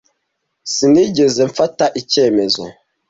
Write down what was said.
Sinigeze mfata icyemezo.